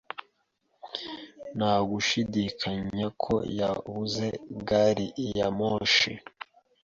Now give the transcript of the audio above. Nta gushidikanya ko yabuze gari ya moshi.